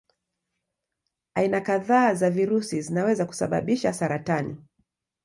Aina kadhaa za virusi zinaweza kusababisha saratani.